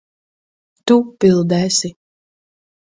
Tu bildēsi.